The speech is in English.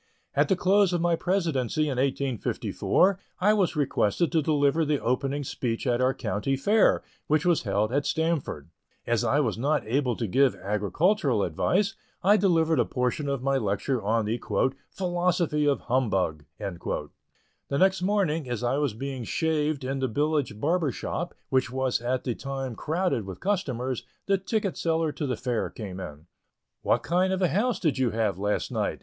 At the close of my presidency in 1854, I was requested to deliver the opening speech at our County Fair, which was held at Stamford. As I was not able to give agricultural advice, I delivered a portion of my lecture on the "Philosophy of Humbug." The next morning, as I was being shaved in the village barber's shop, which was at the time crowded with customers, the ticket seller to the Fair came in. "What kind of a house did you have last night?"